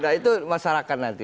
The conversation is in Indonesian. nggak itu masyarakat nanti